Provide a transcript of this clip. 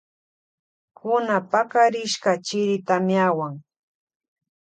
Kuna pakarishka chiri tamiawan.